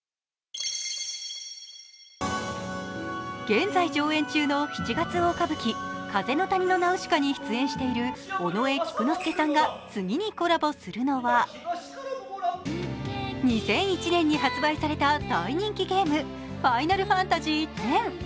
現在上演中の七月大歌舞伎「風の谷のナウシカ」に出演している尾上菊之助さんが次にコラボするのは２００１年に発売された大人気ゲーム「ファイナルファンタジーⅩ」。